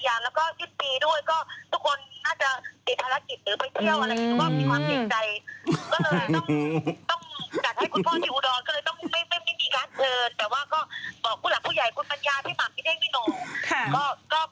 ก็อย่าโกรธอย่างอดกบหมดนะครับ